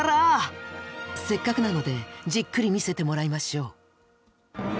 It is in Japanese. せっかくなのでじっくり見せてもらいましょう。